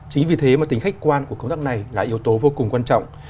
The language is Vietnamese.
chính vì thế mà tính khách quan của công tác này là yếu tố vô cùng quan trọng